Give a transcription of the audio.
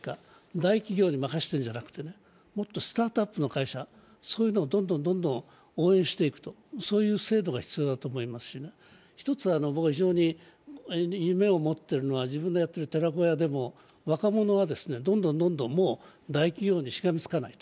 大企業に任せているんじゃなくて、もっとスタートアップの会社をどんどん応援していくという制度が必要だと思いますし一つは、僕は非常に夢を持っているのは自分がやってる寺子屋でも若者はどんどんもう大企業にしがみつかない。